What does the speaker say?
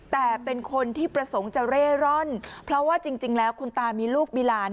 แต่เป็นคนที่ประสงค์จะเร่ร่อนเพราะว่าจริงแล้วคุณตามีลูกมีหลาน